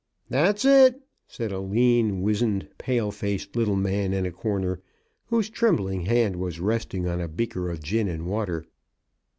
"That's it," said a lean, wizened, pale faced little man in a corner, whose trembling hand was resting on a beaker of gin and water.